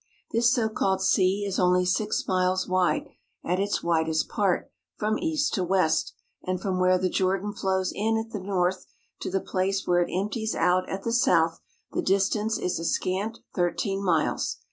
This so called sea is only six miles wide at its widest part from east to west, and from where the Jordan flows in at the north to the place where it empties out at the south the distance is a scant thirteen miles.